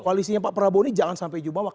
koalisinya pak prabowo ini jangan sampai jubawa